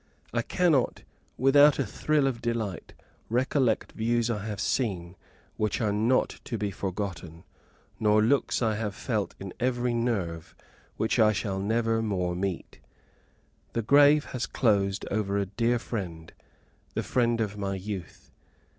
I cannot, without a thrill of delight, recollect views I have seen, which are not to be forgotten, nor looks I have felt in every nerve, which I shall never more meet. The grave has closed over a dear friend, the friend of my youth.